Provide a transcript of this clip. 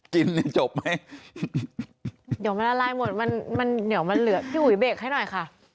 กินยังจบไหมเดี๋ยวมันละลายหมดมันมันเดี๋ยวมันเหลือพี่อุ๋ยเบรกให้หน่อยค่ะ